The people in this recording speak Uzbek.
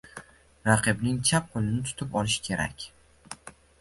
Raqibning chap qoʻlini tutib olish kerak…